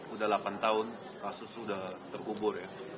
udah delapan tahun kasus sudah terkubur ya